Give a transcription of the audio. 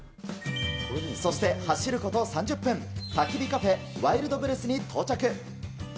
そして、走ること３０分、たき火カフェ、ワイルドブレスに到着。